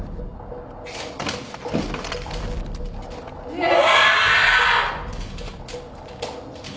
うわ！